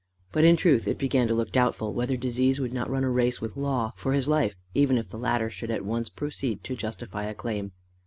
But in truth it began to look doubtful whether disease would not run a race with law for his life, even if the latter should at once proceed to justify a claim.